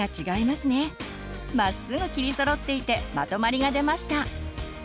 まっすぐ切りそろっていてまとまりが出ました。